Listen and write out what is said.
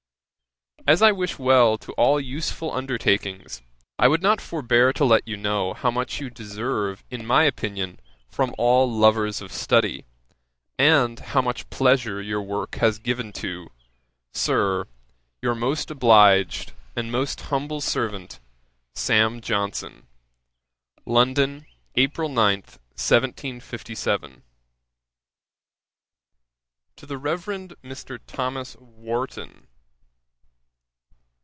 As I wish well to all useful undertakings, I would not forbear to let you know how much you deserve in my opinion, from all lovers of study, and how much pleasure your work has given to, Sir, 'Your most obliged, 'And most humble servant, 'SAM. JOHNSON.' 'London, April 9, 1757.' 'To THE REVEREND MR. THOMAS WARTON.